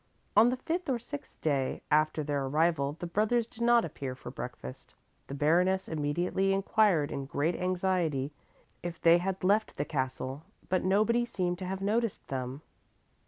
On the fifth or sixth day after their arrival the brothers did not appear for breakfast. The Baroness immediately inquired in great anxiety if they had left the castle, but nobody seemed to have noticed them.